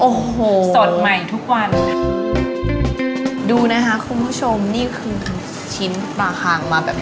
โอ้โหสดใหม่ทุกวันดูนะคะคุณผู้ชมนี่คือชิ้นปลาคางมาแบบนี้